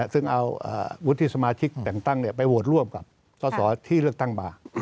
ซึ่งเอาวุฒิสมาธิใจตั้งไปโหวดร่วมกับท่อสอที่เลือกตั้งมา